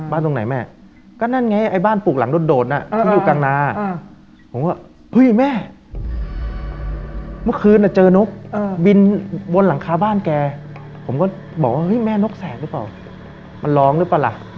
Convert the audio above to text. บอกอ๋อแม่นกแสกหรือเปล่ามันร้องหรือเปล่า